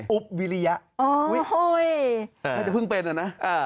อุ๊บวิริยะ